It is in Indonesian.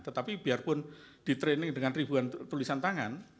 tetapi biarpun di training dengan ribuan tulisan tangan